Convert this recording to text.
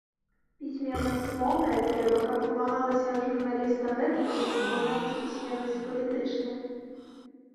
Пісьменнасць моўная трэба каб вымагалася ад журналіста гэтак, як вымагаецца пісьменнасць палітычная.